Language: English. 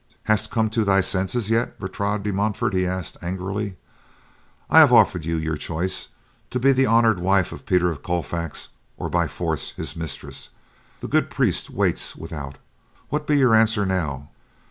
"Hast come to thy senses yet, Bertrade de Montfort?" he asked angrily. "I have offered you your choice; to be the honored wife of Peter of Colfax, or, by force, his mistress. The good priest waits without, what be your answer now?"